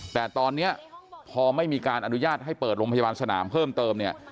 แต่ตอนนี้พอไม่มีการอนุญาตให้เปิดโรงพยาบาลสนามเพิ่มเติมเนี่ย